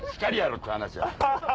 って話や。